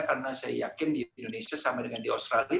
karena saya yakin di indonesia sama dengan di australia